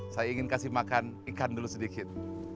saya ingin kasih makan ikan dulu sedikit